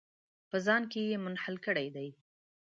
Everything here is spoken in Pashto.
په ځان کې یې منحل کړي دي.